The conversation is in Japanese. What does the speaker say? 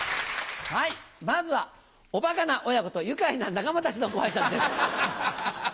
まずはおバカな親子と愉快な仲間たちのご挨拶です。